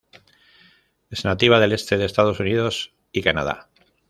Es nativa del este de Estados Unidos y Canadá.